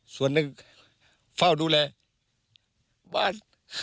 ส่วนหนึ่งเฝ้าดูแลบ้าน